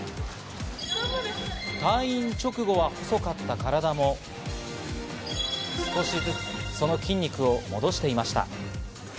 退院直後は細かった体も少しずつ、その筋肉を戻していました。